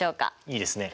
いいですね。